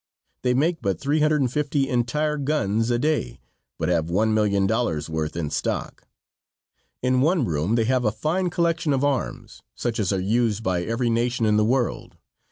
They make but three hundred and fifty entire guns a day, but have one million dollars' worth in stock. In one room they have a fine collection of arms, such as are used by every nation in the world.